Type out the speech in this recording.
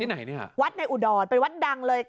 วัดที่ไหนนี่ค่ะวัดในอุดรเป็นวัดดังเลย